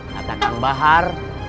kata kang bahar